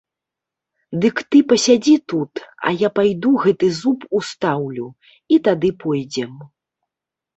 Дык ты пасядзі тут, а я пайду гэты зуб устаўлю, і тады пойдзем.